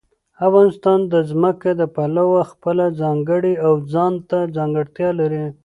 افغانستان د ځمکه د پلوه خپله ځانګړې او ځانته ځانګړتیا لري.